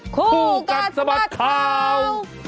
คู่กันสมัครข่าว